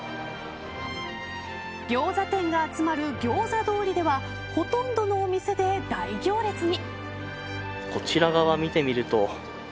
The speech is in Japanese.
ギョーザ店が集まるギョーザ通りではほとんどのお店で大行列に。